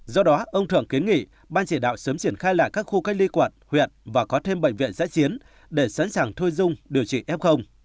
do đó ông thượng kiến nghị ban chỉ đạo sớm triển khai lại các khu cách ly quận huyện và có thêm bệnh viện giãi chiến để sẵn sàng thôi dung điều trị f